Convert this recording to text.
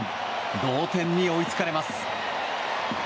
同点に追いつかれます。